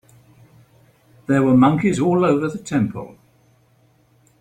There were monkeys all over the temple.